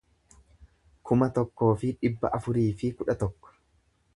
kuma tokkoo fi dhibba afurii fi kudha tokko